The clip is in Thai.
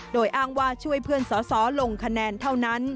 โดยอ้างว่าช่วยเพื่อนสอสอลงคะแนนเท่านั้น